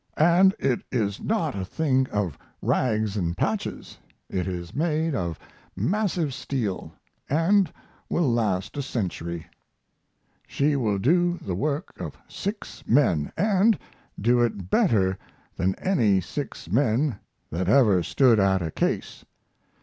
And it is not a thing of rags and patches; it is made of massive steel, and will last a century. She will do the work of six men, and do it better than any six men that ever stood at a case.